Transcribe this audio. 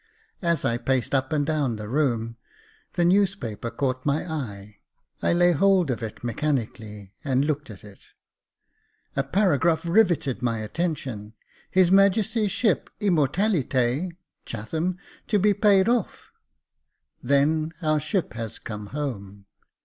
As I paced up and down the room, the newspaper caught my eye. 42 o Jacob Faithful I laid hold of it mechanically, and looked at it. A paragraph rivetted my attention. " His Majesty's ship Immortalite, Chatham, to be paid off." Then our ship has come home.